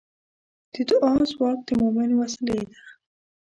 د دعا ځواک د مؤمن وسلې ده.